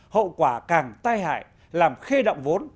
hậu quả càng tai hại làm khê động vốn